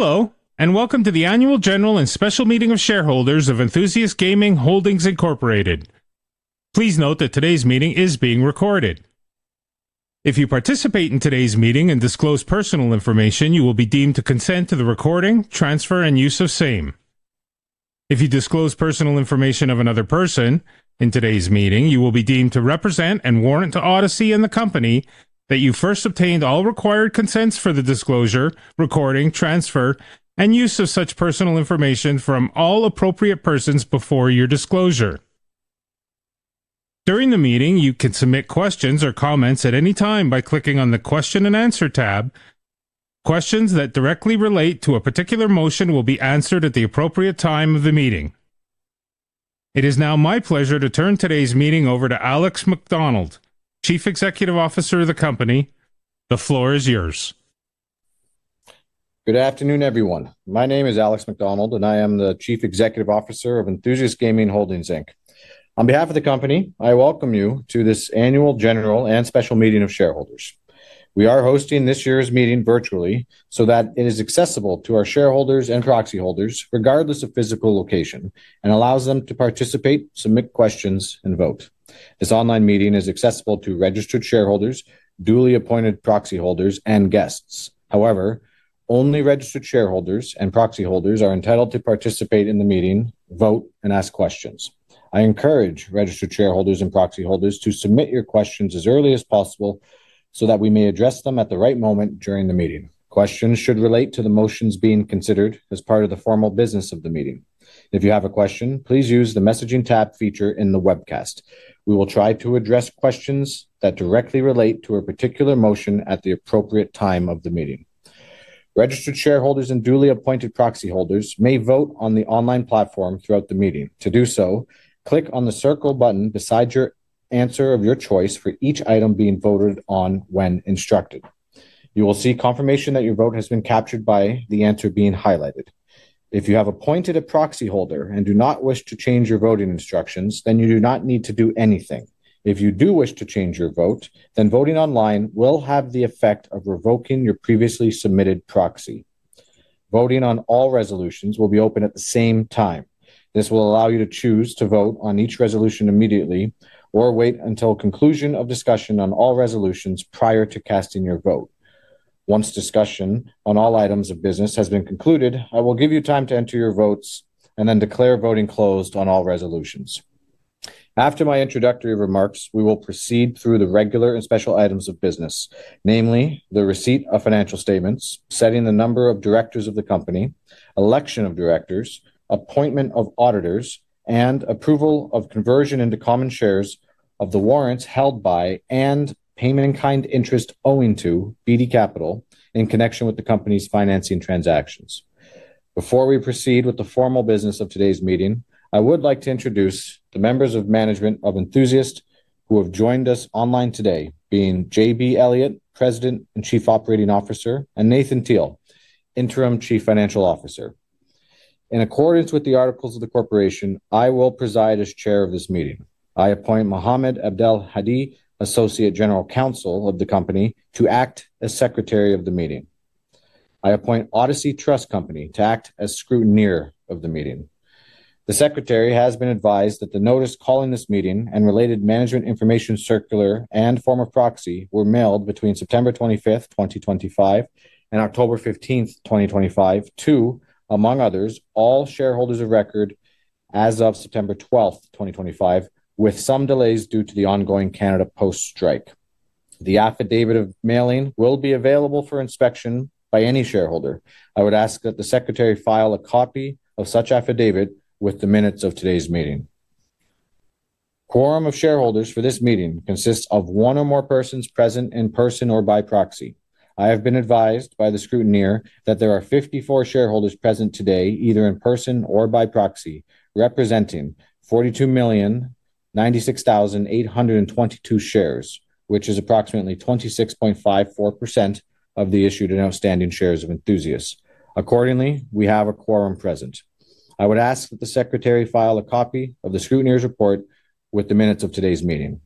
Hello, and welcome to the annual general and special meeting of shareholders of Enthusiast Gaming Holdings Inc. Please note that today's meeting is being recorded. If you participate in today's meeting and disclose personal information, you will be deemed to consent to the recording, transfer, and use of same. If you disclose personal information of another person in today's meeting, you will be deemed to represent and warrant to Odyssey and the company that you first obtained all required consents for the disclosure, recording, transfer, and use of such personal information from all appropriate persons before your disclosure. During the meeting, you can submit questions or comments at any time by clicking on the question and answer tab. Questions that directly relate to a particular motion will be answered at the appropriate time of the meeting. It is now my pleasure to turn today's meeting over to Alex Macdonald, Chief Executive Officer of the company. The floor is yours. Good afternoon, everyone. My name is Alex Macdonald, and I am the Chief Executive Officer of Enthusiast Gaming Holdings Inc. On behalf of the company, I welcome you to this annual general and special meeting of shareholders. We are hosting this year's meeting virtually so that it is accessible to our shareholders and proxy holders, regardless of physical location, and allows them to participate, submit questions, and vote. This online meeting is accessible to registered shareholders, duly appointed proxy holders, and guests. However, only registered shareholders and proxy holders are entitled to participate in the meeting, vote, and ask questions. I encourage registered shareholders and proxy holders to submit your questions as early as possible so that we may address them at the right moment during the meeting. Questions should relate to the motions being considered as part of the formal business of the meeting. If you have a question, please use the messaging tab feature in the webcast. We will try to address questions that directly relate to a particular motion at the appropriate time of the meeting. Registered shareholders and duly appointed proxy holders may vote on the online platform throughout the meeting. To do so, click on the circle button beside your answer of your choice for each item being voted on when instructed. You will see confirmation that your vote has been captured by the answer being highlighted. If you have appointed a proxy holder and do not wish to change your voting instructions, then you do not need to do anything. If you do wish to change your vote, then voting online will have the effect of revoking your previously submitted proxy. Voting on all resolutions will be open at the same time. This will allow you to choose to vote on each resolution immediately or wait until the conclusion of discussion on all resolutions prior to casting your vote. Once discussion on all items of business has been concluded, I will give you time to enter your votes and then declare voting closed on all resolutions. After my introductory remarks, we will proceed through the regular and special items of business, namely the receipt of financial statements, setting the number of directors of the company, election of directors, appointment of auditors, and approval of conversion into common shares of the warrants held by and payment-in-kind interest owing to BD Capital in connection with the company's financing transactions. Before we proceed with the formal business of today's meeting, I would like to introduce the members of management of Enthusiast who have joined us online today, being JB Elliott, President and Chief Operating Officer, and Nathan Teal, Interim Chief Financial Officer. In accordance with the articles of the corporation, I will preside as Chair of this meeting. I appoint Mohammed Abdel Hadi, Associate General Counsel of the company, to act as Secretary of the Meeting. I appoint Odyssey Trust Company to act as scrutineer of the meeting. The Secretary has been advised that the notice calling this meeting and related management information circular and form of proxy were mailed between September 25th, 2025, and October 15th, 2025, to, among others, all shareholders of record as of September 12th, 2025, with some delays due to the ongoing Canada Post strike. The affidavit of mailing will be available for inspection by any shareholder. I would ask that the Secretary file a copy of such affidavit with the minutes of today's meeting. Quorum of shareholders for this meeting consists of one or more persons present in person or by proxy. I have been advised by the scrutineer that there are 54 shareholders present today, either in person or by proxy, representing 42,096,822 shares, which is approximately 26.54% of the issued and outstanding shares of Enthusiast. Accordingly, we have a quorum present. I would ask that the Secretary file a copy of the scrutineer's report with the minutes of today's meeting.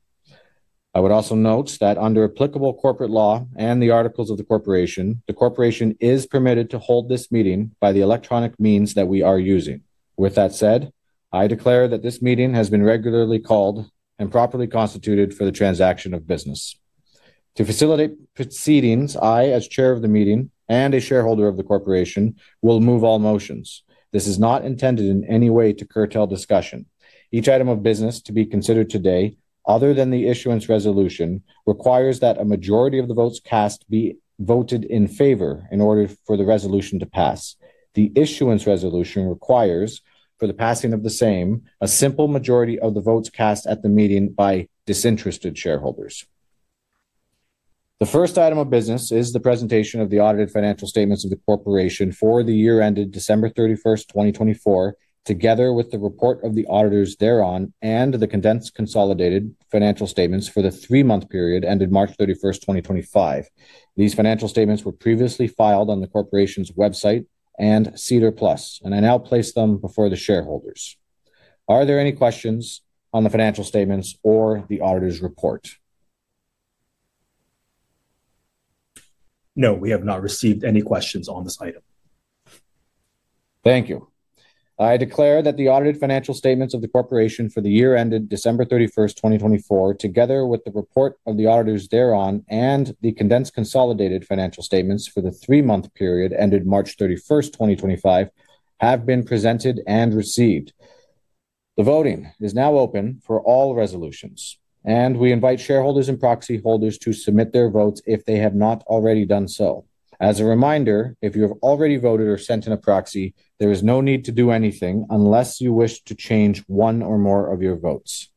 I would also note that under applicable corporate law and the articles of the corporation, the corporation is permitted to hold this meeting by the electronic means that we are using. With that said, I declare that this meeting has been regularly called and properly constituted for the transaction of business. To facilitate proceedings, I, as Chair of the meeting and a shareholder of the corporation, will move all motions. This is not intended in any way to curtail discussion. Each item of business to be considered today, other than the issuance resolution, requires that a majority of the votes cast be voted in favor in order for the resolution to pass. The issuance resolution requires for the passing of the same a simple majority of the votes cast at the meeting by disinterested shareholders. The first item of business is the presentation of the audited financial statements of the corporation for the year ended December 31st, 2024, together with the report of the auditors thereon and the condensed consolidated financial statements for the three-month period ended March 31st, 2025. These financial statements were previously filed on the corporation's website and SEDAR+, and I now place them before the shareholders. Are there any questions on the financial statements or the auditor's report? No, we have not received any questions on this item. Thank you. I declare that the audited financial statements of the corporation for the year ended December 31st, 2024, together with the report of the auditors thereon and the condensed consolidated financial statements for the three-month period ended March 31st, 2025, have been presented and received. The voting is now open for all resolutions, and we invite shareholders and proxy holders to submit their votes if they have not already done so. As a reminder, if you have already voted or sent in a proxy, there is no need to do anything unless you wish to change one or more of your votes.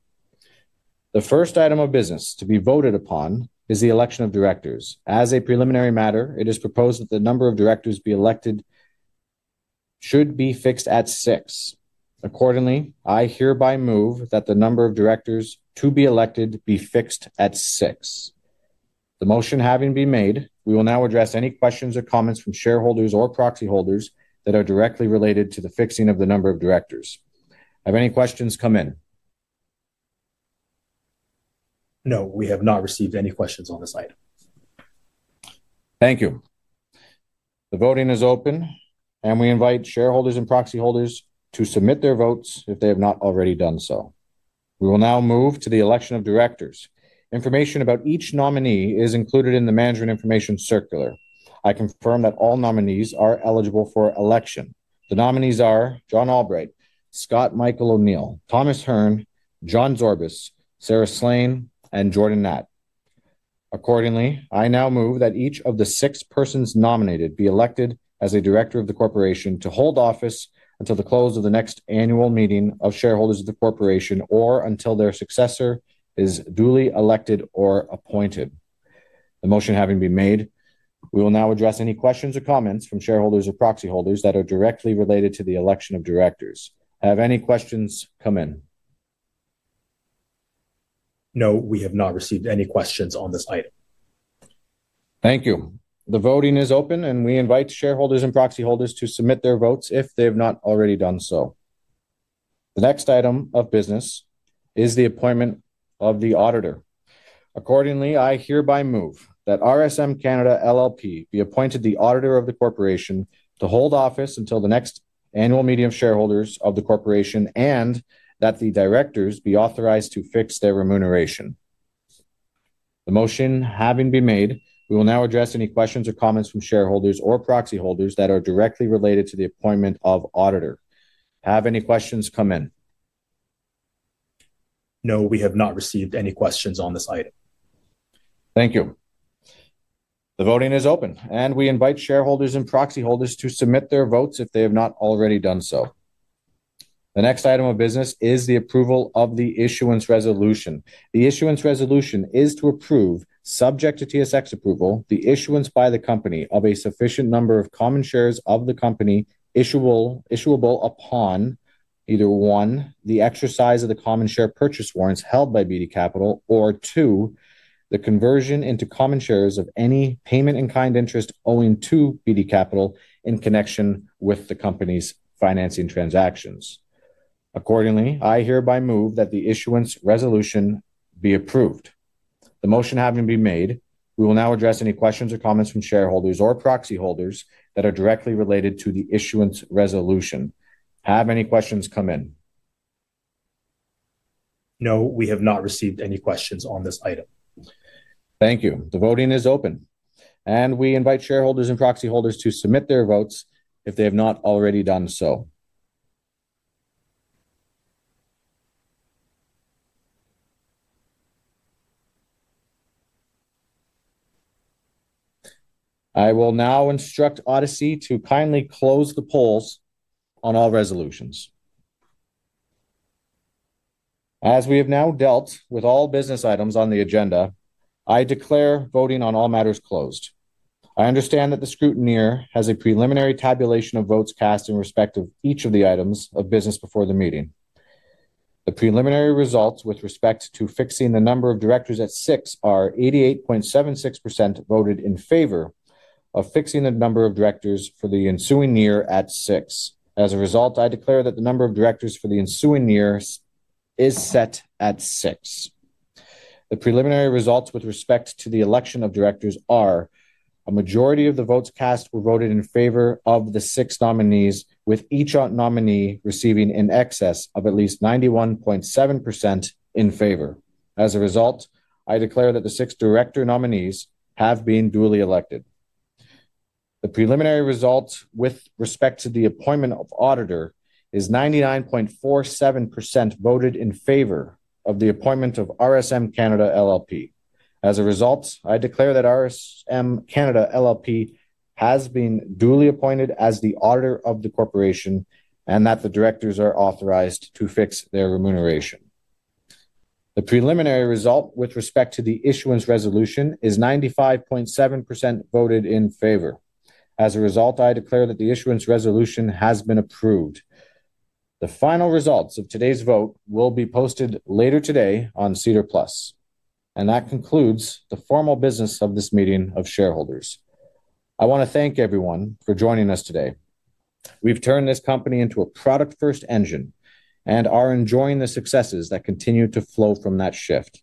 The first item of business to be voted upon is the election of directors. As a preliminary matter, it is proposed that the number of directors to be elected should be fixed at six. Accordingly, I hereby move that the number of directors to be elected be fixed at six. The motion having been made, we will now address any questions or comments from shareholders or proxy holders that are directly related to the fixing of the number of directors. Have any questions come in? No, we have not received any questions on this item. Thank you. The voting is open, and we invite shareholders and proxy holders to submit their votes if they have not already done so. We will now move to the election of directors. Information about each nominee is included in the management information circular. I confirm that all nominees are eligible for election. The nominees are John Albright, Scott Michael O'Neill, Thomas Hearne, John Zorbas, Sara Slane, and Jordan Gnat. Accordingly, I now move that each of the six persons nominated be elected as a director of the corporation to hold office until the close of the next annual meeting of shareholders of the corporation or until their successor is duly elected or appointed. The motion having been made, we will now address any questions or comments from shareholders or proxy holders that are directly related to the election of directors. Have any questions come in? No, we have not received any questions on this item. Thank you. The voting is open, and we invite shareholders and proxy holders to submit their votes if they have not already done so. The next item of business is the appointment of the auditor. Accordingly, I hereby move that RSM Canada LLP be appointed the auditor of the corporation to hold office until the next annual meeting of shareholders of the corporation, and that the directors be authorized to fix their remuneration. The motion having been made, we will now address any questions or comments from shareholders or proxy holders that are directly related to the appointment of auditor. Have any questions come in? No, we have not received any questions on this item. Thank you. The voting is open, and we invite shareholders and proxy holders to submit their votes if they have not already done so. The next item of business is the approval of the issuance resolution. The issuance resolution is to approve, subject to TSX approval, the issuance by the company of a sufficient number of common shares of the company issuable upon either one, the exercise of the common share purchase warrants held by BD Capital, or two, the conversion into common shares of any payment-in-kind interest owing to BD Capital in connection with the company's financing transactions. Accordingly, I hereby move that the issuance resolution be approved. The motion having been made, we will now address any questions or comments from shareholders or proxy holders that are directly related to the issuance resolution. Have any questions come in? No, we have not received any questions on this item. Thank you. The voting is open, and we invite shareholders and proxy holders to submit their votes if they have not already done so. I will now instruct Odyssey to kindly close the polls on all resolutions. As we have now dealt with all business items on the agenda, I declare voting on all matters closed. I understand that the scrutineer has a preliminary tabulation of votes cast in respect of each of the items of business before the meeting. The preliminary results with respect to fixing the number of directors at six are 88.76% voted in favor of fixing the number of directors for the ensuing year at six. As a result, I declare that the number of directors for the ensuing year is set at six. The preliminary results with respect to the election of directors are a majority of the votes cast were voted in favor of the six nominees, with each nominee receiving in excess of at least 91.7% in favor. As a result, I declare that the six director nominees have been duly elected. The preliminary results with respect to the appointment of auditor is 99.47% voted in favor of the appointment of RSM Canada LLP. As a result, I declare that RSM Canada LLP has been duly appointed as the auditor of the corporation and that the directors are authorized to fix their remuneration. The preliminary result with respect to the issuance resolution is 95.7% voted in favor. As a result, I declare that the issuance resolution has been approved. The final results of today's vote will be posted later today on SEDAR+. That concludes the formal business of this meeting of shareholders. I want to thank everyone for joining us today. We've turned this company into a product-first engine and are enjoying the successes that continue to flow from that shift.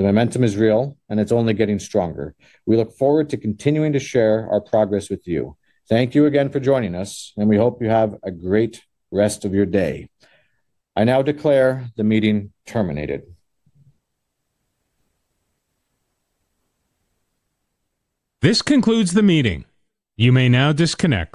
The momentum is real, and it's only getting stronger. We look forward to continuing to share our progress with you. Thank you again for joining us, and we hope you have a great rest of your day. I now declare the meeting terminated. This concludes the meeting. You may now disconnect.